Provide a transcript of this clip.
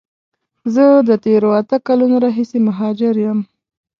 زه د تیرو اته کالونو راهیسی مهاجر یم.